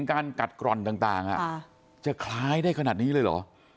การกัดกร่อนต่างจะคล้ายได้ขนาดนี้เลยเหรอ